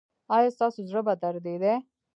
ایا ستاسو زړه به دریدي؟